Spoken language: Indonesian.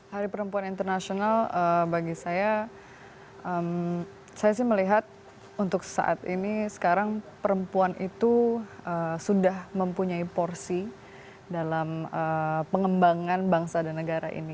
hari perempuan internasional bagi saya saya sih melihat untuk saat ini sekarang perempuan itu sudah mempunyai porsi dalam pengembangan bangsa dan negara ini